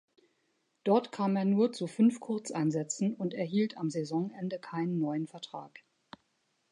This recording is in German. Dort kam er nur zu fünf Kurzeinsätzen und erhielt am Saisonende keinen neuen Vertrag.